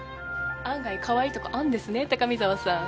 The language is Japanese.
案外かわいいとこあるんですね高見沢さん。